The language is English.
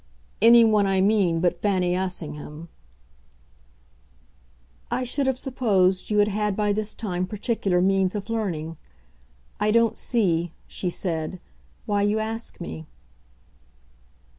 "Any one, I mean, but Fanny Assingham." "I should have supposed you had had by this time particular means of learning. I don't see," she said, "why you ask me."